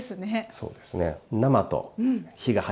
そうですね。